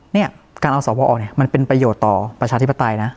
เนี่ยการเอาสวเนี่ยมันเป็นประโยชน์ต่อประชาธิปไตยนะ